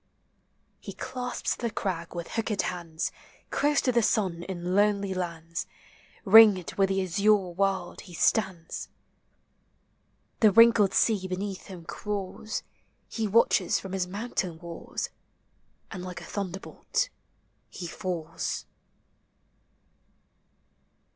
He clasps the crag with hooked hands; Close to the sun in lonely lands. Ringed with the azure world, he stands. The wrinkled sea beneath him crawls; He watches from his mountain walls. And like a thunderbolt he falls.